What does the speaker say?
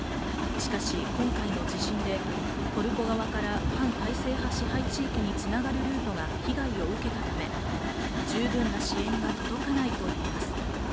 しかし、今回の地震でトルコ側から反体制派支配地域に繋がるルートが被害を受けたため、十分な支援が届かないといいます。